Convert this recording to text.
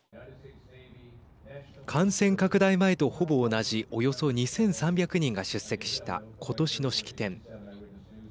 感染拡大前とほぼ同じおよそ２３００人が出席した今年の式典。